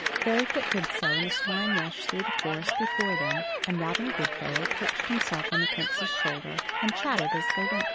Fairyfoot did so, and the swine rushed through the forest before them, and Robin Goodfellow perched himself on the Prince's shoulder, and chatted as they went.